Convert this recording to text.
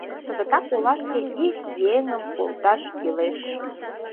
Кызытак олашке ик еҥым колташ кӱлеш...